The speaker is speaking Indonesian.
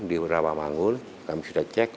di rawamangul kami sudah cek